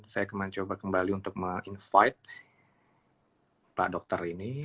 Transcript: saya akan mencoba kembali untuk meng invite pak dokter ini